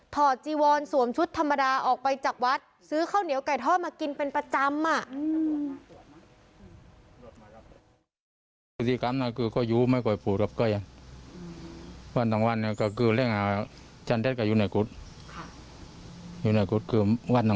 จีวอนสวมชุดธรรมดาออกไปจากวัดซื้อข้าวเหนียวไก่ทอดมากินเป็นประจำอ่ะ